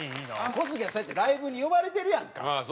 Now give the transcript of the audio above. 小杉はそうやってライブに呼ばれてるやんか。